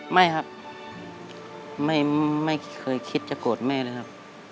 ไม่ครับไม่เคยคิดจะโกรธแม่เลยครับ